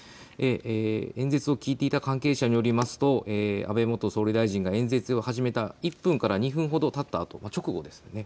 演説を聞いていた関係者によりますと安倍元総理大臣が演説を始めた１分から２分ほどたったあと、直後ですね。